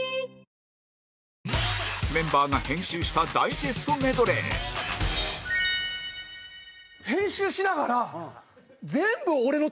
メンバーが編集したダイジェストメドレー相当オシャレ！